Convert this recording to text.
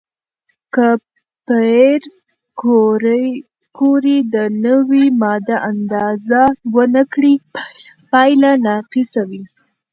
که پېیر کوري د نوې ماده اندازه ونه کړي، پایله ناقصه وي.